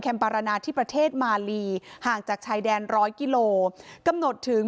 ปารานาที่ประเทศมาลีห่างจากชายแดนร้อยกิโลกำหนดถึง